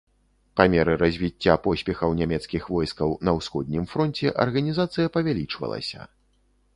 Па меры развіцця поспехаў нямецкіх войскаў на ўсходнім фронце арганізацыя павялічвалася.